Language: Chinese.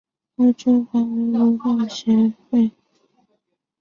欧洲华文作家协会。